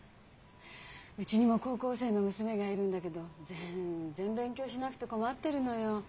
うちにも高校生の娘がいるんだけど全然勉強しなくて困ってるのよ。